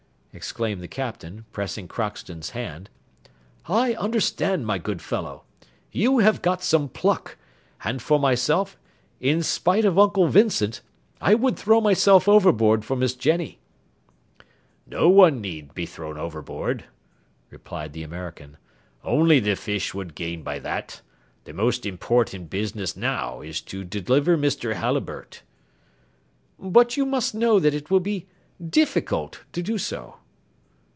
exclaimed the Captain, pressing Crockston's hand. "I understand, my good fellow, you have got some pluck; and for myself, in spite of Uncle Vincent, I would throw myself overboard for Miss Jenny." "No one need be thrown overboard," replied the American, "only the fish would gain by that: the most important business now is to deliver Mr. Halliburtt." "But you must know that it will be difficult to do so."